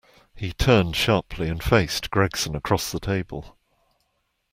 He turned sharply, and faced Gregson across the table.